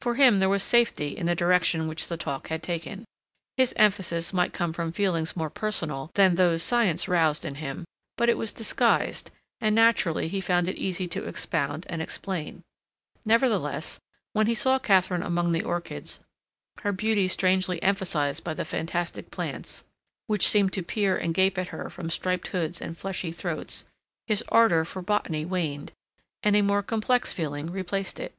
For him there was safety in the direction which the talk had taken. His emphasis might come from feelings more personal than those science roused in him, but it was disguised, and naturally he found it easy to expound and explain. Nevertheless, when he saw Katharine among the orchids, her beauty strangely emphasized by the fantastic plants, which seemed to peer and gape at her from striped hoods and fleshy throats, his ardor for botany waned, and a more complex feeling replaced it.